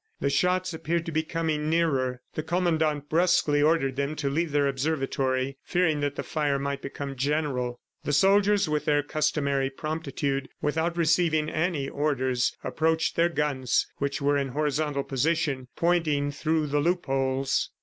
The shots appeared to be coming nearer. The Commandant brusquely ordered them to leave their observatory, fearing that the fire might become general. The soldiers, with their customary promptitude, without receiving any orders, approached their guns which were in horizontal position, pointing through the loopholes.